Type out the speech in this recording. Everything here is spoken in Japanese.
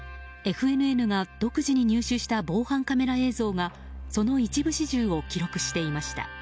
ＦＮＮが独自に入手した防犯カメラ映像がその一部始終を記録していました。